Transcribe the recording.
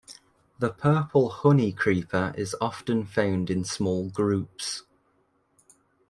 The purple honeycreeper is often found in small groups.